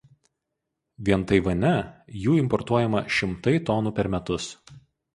Vien Taivane jų importuojama šimtai tonų per metus.